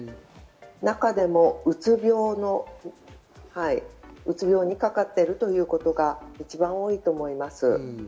中でも、うつ病にかかっているということが一番多いと思います。